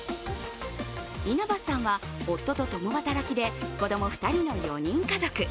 稲葉さんは、夫と共働きで子供４人の４人家族。